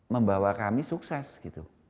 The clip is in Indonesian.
membawa kami sukses gitu